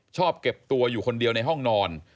ชอบเก็บตัวอยู่คนเดียวในห้องนอน